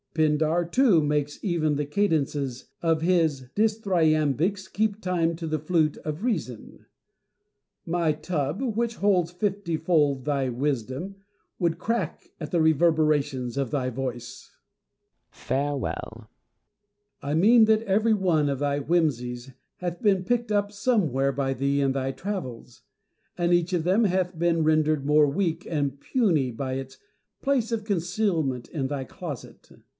Pindar, too, makes even the cadences of his dithyrambics keep time to the flute of Reason. My tub, which holds fifty fold thy wisdom, would crack at the reverberation of thy voice. Plato. Farewell. Diogenes. I mean that every one of thy whimsies hath been picked up somewhere by thee in thy travels ; and each of them hath been rendered more weak and puny by its place of concealment in thy closet.